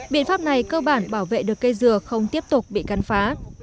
biện pháp này cơ bản bảo vệ được cây dừa không tiếp tục bị cắn phá